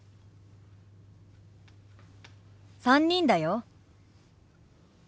３人だよ。